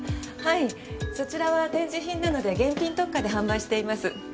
はいそちらは展示品なので現品特価で販売しています。